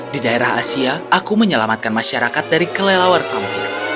di daerah asia aku menyelamatkan masyarakat dari kelelawar tampur